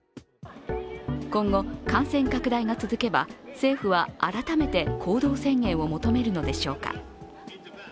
今後、感染拡大が続けば政府は改めて行動制限を求めるのでしょうか。